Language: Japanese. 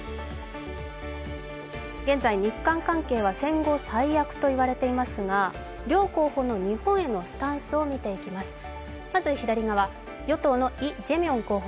現在、日韓関係は戦後最悪といわれていますが両候補の日本へのスタンスを見ていきます。